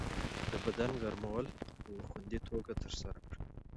د بدن ګرمول په خوندي توګه ترسره کړئ.